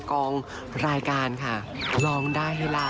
กองรายการค่ะร้องได้ให้ล้าน